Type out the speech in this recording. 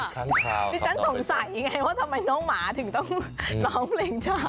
ดิฉันสงสัยไงว่าทำไมน้องหมาถึงต้องร้องเพลงเช้า